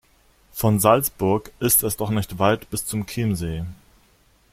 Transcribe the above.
Von Salzburg ist es doch nicht weit bis zum Chiemsee.